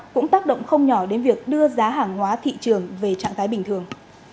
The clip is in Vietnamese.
cũng tác động không nhỏ đến việc đưa giá hàng hóa thị trường về trạng thái bình thường